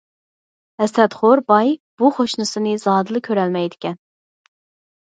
ھەسەتخور باي بۇ قوشنىسىنى زادىلا كۆرەلمەيدىكەن.